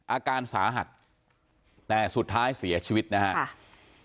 อาการสาหัสแต่สุดท้ายเสียชีวิตนะครับ